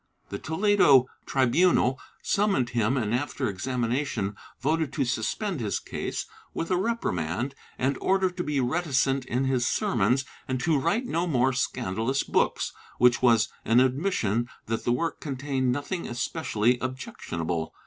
The Toledo tribunal summoned him and after examination voted to suspend his case with a reprimand and order to be more reticent in his sermons and to write no more scandalous books, which was an admission that the work contained nothing especially objec tionable.